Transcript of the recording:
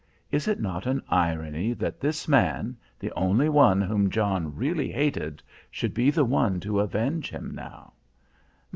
Is it not an irony that this man, the only one whom John really hated, should be the one to avenge him now?"